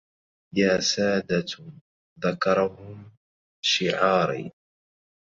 يا سادة ذكرهم شعاري